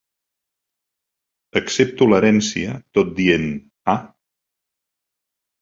Accepto l'herència tot dient: ah.